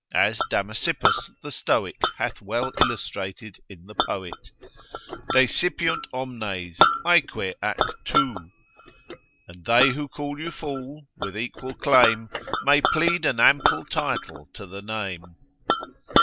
as Damasippus the Stoic hath well illustrated in the poet, Desipiunt omnes aeque ac tu. And they who call you fool, with equal claim May plead an ample title to the name.